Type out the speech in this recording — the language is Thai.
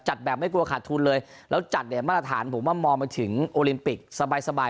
แบบไม่กลัวขาดทุนเลยแล้วจัดเนี่ยมาตรฐานผมว่ามองมาถึงโอลิมปิกสบายสบาย